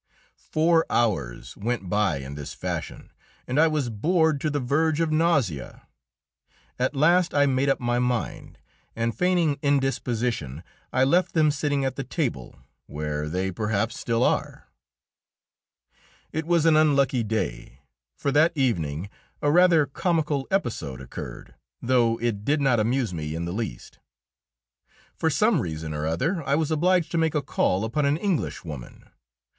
Four hours went by in this fashion, and I was bored to the verge of nausea. At last I made up my mind, and feigning indisposition I left them sitting at the table where they perhaps still are. It was an unlucky day, for that evening a rather comical episode occurred, though it did not amuse me in the least. For some reason or other I was obliged to make a call upon an Englishwoman.